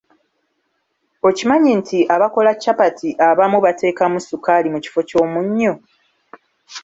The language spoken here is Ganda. Okimanyi nti abakola capati abamu bateekamu ssukaali mu kifo ky'omunnyo.